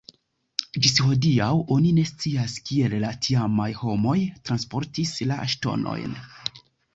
Ĝis hodiaŭ oni ne scias, kiel la tiamaj homoj transportis la ŝtonojn.